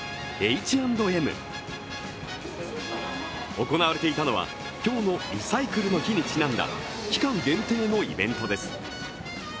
Ｈ＆Ｍ。行われていたのは今日のリサイクルの日にちなんだ期間限定のイベントです。